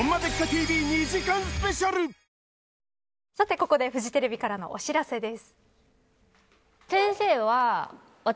ここでフジテレビからのお知らせです。